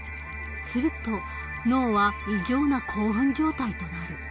すると脳は異常な興奮状態となる。